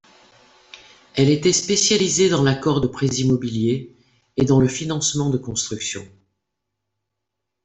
Elle était spécialisée dans l'accord de prêts immobiliers et dans le financement de constructions.